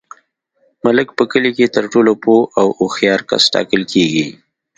ملک په کلي کي تر ټولو پوه او هوښیار کس ټاکل کیږي.